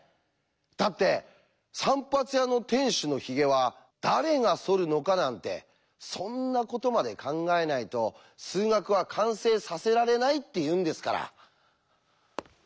だって散髪屋の店主のヒゲは誰がそるのかなんてそんなことまで考えないと数学は完成させられないって言うんですから。